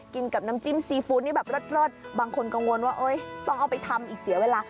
กินกับน้ำจิ้มซีฟู้ดนี่แบบเลิศบางคนกังวลว่าต้องเอาไปทำอีกเสียเวลา